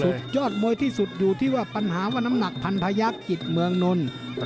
สุดยอดมวยที่สุดอยู่ที่ว่าปัญหาวน้ำหนักภัณฑยกฤทธิ์เมืองนล